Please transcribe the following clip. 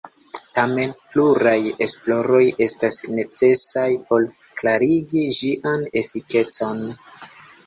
Tamen, pluraj esploroj estas necesaj por klarigi ĝian efikecon.